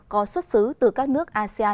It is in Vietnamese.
có xuất xứ từ các nước asean